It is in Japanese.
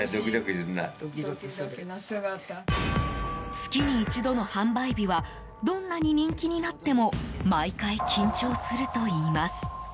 月に一度の販売日はどんなに人気になっても毎回、緊張するといいます。